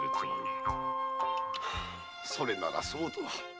それならそうと。